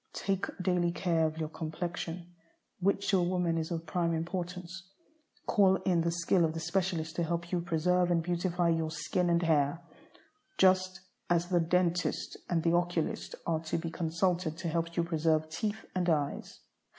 Take daily care of your complexion, which to a woman is of prime importance. Call in the skill of the specialist to help you preserve and beautify your skin and hair, just as the dentist and the oculist are to be consulted to help you preserve teeth and eyes.